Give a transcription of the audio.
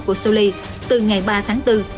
của solay từ ngày ba tháng bốn